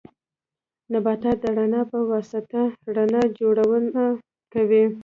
نبات د رڼا په واسطه رڼا جوړونه کوي